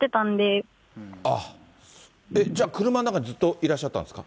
じゃあ、車の中にずっといらっしゃったんですか。